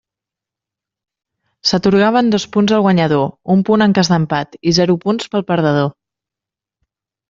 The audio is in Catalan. S'atorgaven dos punts al guanyador, un punt en cas d'empat, i zero punts pel perdedor.